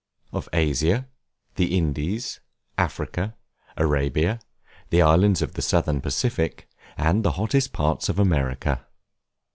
Of Asia, the Indies, Africa, Arabia, the Islands of the Southern Pacific, and the hottest parts of America.